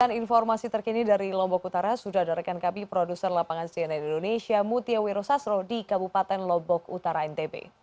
dan informasi terkini dari lombok utara sudah dari rekan kami produser lapangan cnn indonesia mutia wiro sasro di kabupaten lombok utara ndb